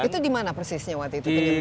itu di mana persisnya waktu itu penyebabnya